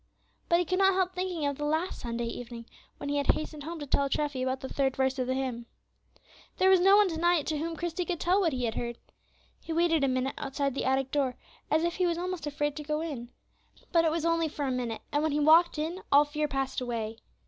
But he could not help thinking of the last Sunday evening, when he had hastened home to tell Treffy about the third verse of the hymn. There was no one to night to whom Christie could tell what he had heard. He waited a minute outside the attic door, as if he was almost afraid to go in, but it was only for a minute, and when he walked in all fear passed away.